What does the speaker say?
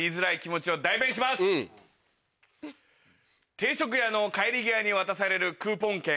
定食屋の帰り際に渡されるクーポン券。